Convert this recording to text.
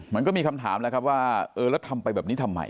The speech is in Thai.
มันก็มีคำถามแล้วครับว่าเออแล้วทำไปแบบนี้ทำไม